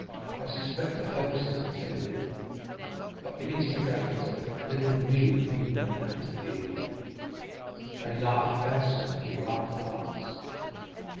I suspect a hoax is intended, but the instigators of it little knew whom they had to deal with. 'They laugh best who laugh last!